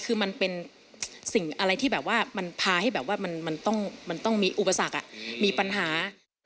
คือมันเป็นสิ่งอะไรที่แบบว่ามันพาให้แบบว่ามันต้องมีอุปสรรคมีปัญหา